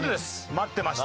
待ってました。